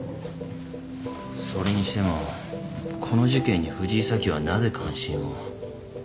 それにしてもこの事件に藤井早紀はなぜ関心を？